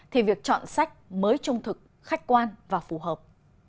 thì việc chọn sách mới trung thực khách quan và phù hợp